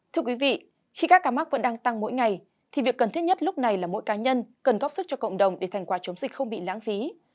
thưa quý vị khi các ca mắc vẫn đang tăng mỗi ngày thì việc cần thiết nhất lúc này là mỗi cá nhân cần góp sức cho cộng đồng để thành quả chống dịch không bị lãng phí